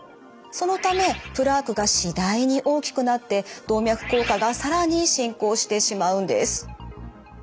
そのためプラークが次第に大きくなって動脈硬化が更に進行してしまうんです。